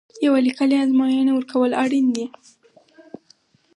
یوه لیکلې ازموینه ورکول اړین دي.